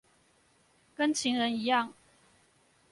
跟情人一樣